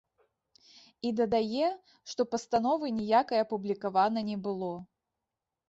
І дадае, што пастановы ніякай апублікавана не было.